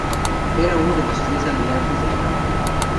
Era uno de los tres Almirantes de la Marina.